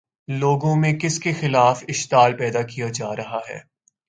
لوگوں میں کس کے خلاف اشتعال پیدا کیا جا رہا ہے؟